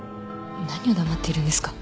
何黙っているんですか。